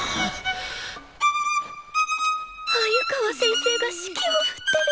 鮎川先生が指揮を振ってる！